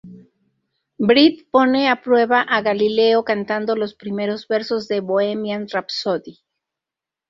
Brit pone a prueba a Galileo cantando los primeros versos de "Bohemian Rhapsody".